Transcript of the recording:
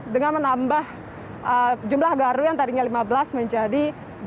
dengan menambah jumlah garu yang tadinya lima belas menjadi dua